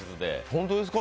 本当ですか？